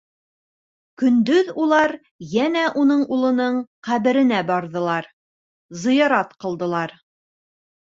Көндөҙ улар йәнә уның улының «ҡәберенә» барҙылар, зыярат ҡылдылар.